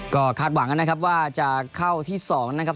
ก็คาดหวังนะครับว่าจะเข้าที่๒นะครับ